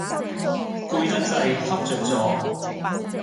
攰得滯，瞌着咗